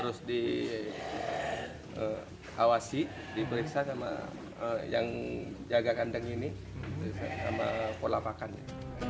kambing kambing lainnya juga diperiksa sama yang jaga kandang ini sama kambing kambing lainnya